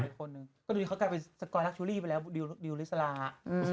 ก็ดูนี่เขากลายเป็นสกรรักชุรีไปแล้วดิวอีลิสลาอ่ะ